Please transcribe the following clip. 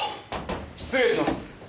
失礼します。